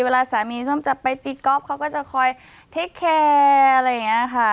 เวลาสามีส้มจะไปตีกอล์ฟเขาก็จะคอยอะไรอย่างเงี้ยค่ะ